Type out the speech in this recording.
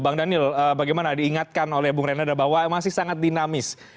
bang daniel bagaimana diingatkan oleh bung renanda bahwa masih sangat dinamis